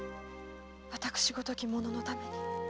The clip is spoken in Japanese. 私ごとき者のために。